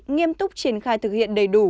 nghiêm túc triển khai thực hiện đầy đủ